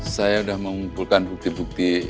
saya sudah mengumpulkan bukti bukti